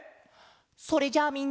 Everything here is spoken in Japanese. それじゃあみんな。